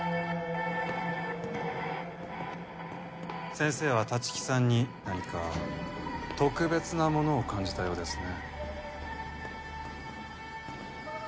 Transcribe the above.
先生は立木さんに何か特別なものを感じたようですね。